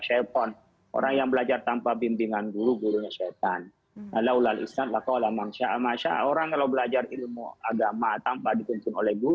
apa yang masuk dalam hal ini